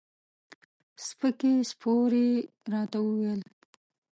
سپکې سپورې یې راته وویلې.